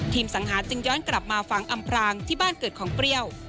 สังหารจึงย้อนกลับมาฟังอำพรางที่บ้านเกิดของเปรี้ยว